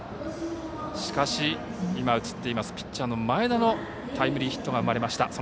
しかし、ピッチャーの前田のタイムリーヒットが生まれました。